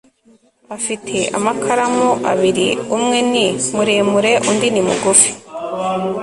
afite amakaramu abiri umwe ni muremure undi ni mugufi